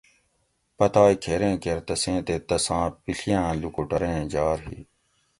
پتائے کھیریں کیر تسیں تے تساں پِڷیاۤں لوکوٹوریں جھار ہی